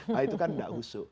nah itu kan tidak husuk